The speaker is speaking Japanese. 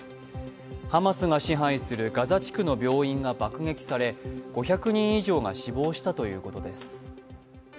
ハマスが支配するガザ地区の病院が爆撃され５００人以上が死亡したということです。